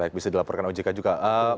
baik bisa dilaporkan ojk juga